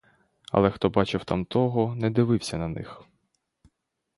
Але хто бачив тамтого, не дивився на тих.